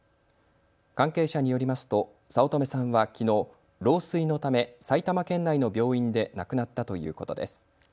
関係者によりますと早乙女さんはきのう老衰のため埼玉県内の病院で亡くなったということです。